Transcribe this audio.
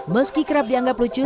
meski kerap dianggap lucu